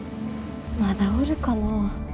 まだおるかなぁ。